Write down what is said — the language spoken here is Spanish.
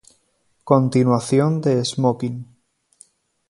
Continuación de "Esmoquin".